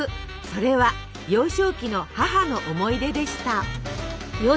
それは幼少期の母の思い出でした。